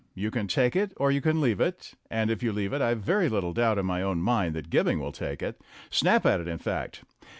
You can take it or you can leave it, and if you leave it I've very little doubt 'in my own mind that Gibbing will take it snap at it, in fact.